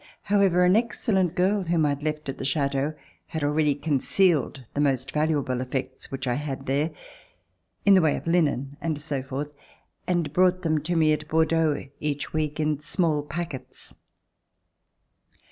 However, an excellent girl w^hom I had left at the Chateau had already concealed the most valuable effects which I had there, in the way of linen and so forth, and brought them to me at Bordeaux each week in small packets.